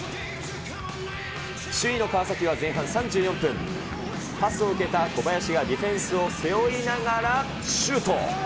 首位の川崎は前半３４分、パスを受けた小林がディフェンスを背負いながらシュート。